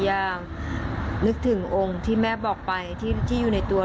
อยากนึกถึงองค์ที่แม่บอกไปที่อยู่ในตัว